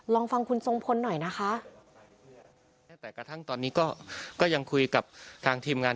ลองฟังคุณทรงพลหน่อยนะคะ